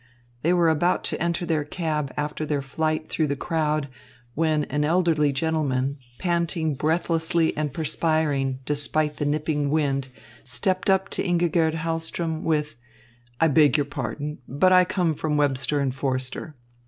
They were about to enter their cab after their flight, through the crowd, when an elderly gentleman, panting breathlessly and perspiring, despite the nipping wind, stepped up to Ingigerd Hahlström with, "I beg your pardon, but I come from Webster and Forster."